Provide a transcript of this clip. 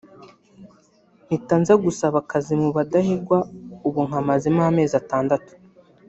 mpita nza gusaba akazi mu Badahigwa ubu nkamazemo amezi atandatu